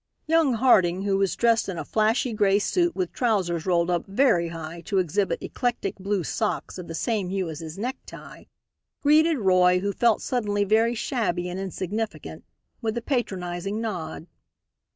Young Harding, who was dressed in a flashy gray suit, with trousers rolled up very high to exhibit electric blue socks of the same hue as his necktie, greeted Roy, who felt suddenly very shabby and insignificant, with a patronizing nod.